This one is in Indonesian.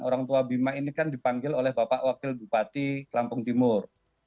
orang tua bima ini kan dipanggil oleh bapak wakil bupati lampung timur